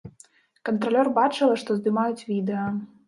Кантралёр бачыла, што здымаюць відэа.